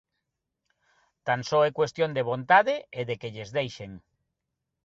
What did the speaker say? Tan só é cuestión de vontade e de que lles deixen.